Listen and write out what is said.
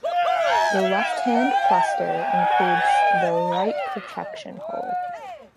The left-hand cluster includes the write-protection hole.